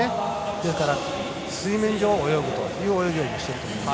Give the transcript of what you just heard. ですから、水面上を泳ぐという泳ぎをしています。